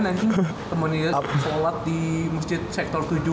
nanti temennya sholat di masjid sektor tujuh